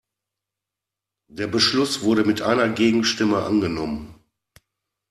Der Beschluss wurde mit einer Gegenstimme angenommen.